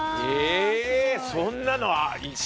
えそんなの行く？